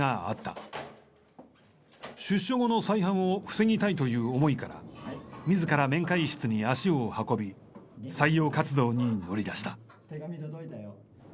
出所後の再犯を防ぎたいという思いから自ら面会室に足を運び採用活動に乗り出した。